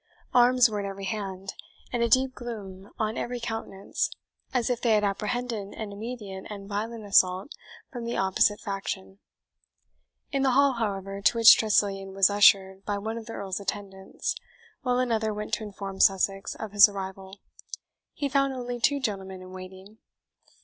Arms were in every hand, and a deep gloom on every countenance, as if they had apprehended an immediate and violent assault from the opposite faction. In the hall, however, to which Tressilian was ushered by one of the Earl's attendants, while another went to inform Sussex of his arrival, he found only two gentlemen in waiting.